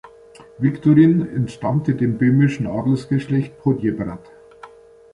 Viktorin entstammte dem böhmischen Adelsgeschlecht Podiebrad.